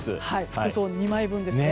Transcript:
服装２枚分ですね。